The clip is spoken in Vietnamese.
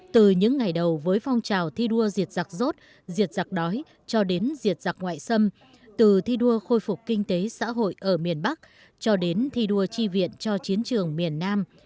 từ những ngày đầu với phong trào thi đua diệt giặc rốt diệt giặc đói cho đến diệt giặc ngoại xâm từ thi đua khôi phục kinh tế xã hội ở miền bắc cho đến thi đua tri viện cho chiến trường miền nam